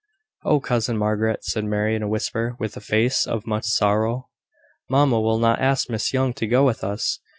"Oh, cousin Margaret," said Mary, in a whisper, with a face of much sorrow, "mamma will not ask Miss Young to go with us!